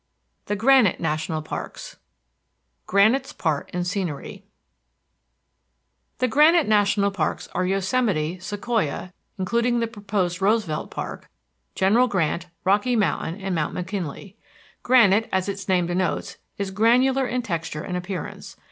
THE GRANITE NATIONAL PARKS GRANITE'S PART IN SCENERY The granite national parks are Yosemite, Sequoia, including the proposed Roosevelt Park, General Grant, Rocky Mountain, and Mount McKinley. Granite, as its name denotes, is granular in texture and appearance.